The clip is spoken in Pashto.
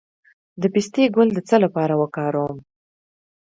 د پسته ګل د څه لپاره وکاروم؟